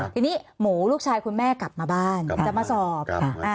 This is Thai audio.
ทีนี้หมูลูกชายคุณแม่กลับมาบ้านจะมาสอบ